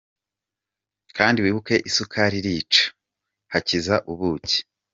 Kandi, wibuke isukari irica hakiza ubuki.